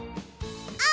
「あ」